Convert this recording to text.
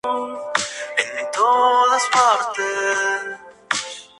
Actualmente es la sede de la Real Academia de Ciencias Morales y Políticas.